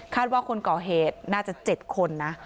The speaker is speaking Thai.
คาดว่าคนก่อเหตุน่าจะเจ็ดคนนะ